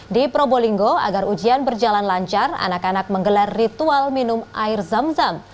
di probolinggo agar ujian berjalan lancar anak anak menggelar ritual minum air zam zam